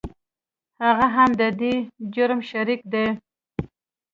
هغه هم د دې جرم شریک دی .